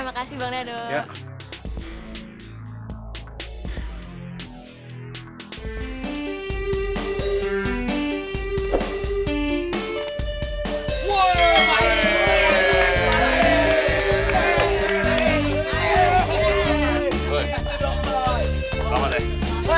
makasih bang nado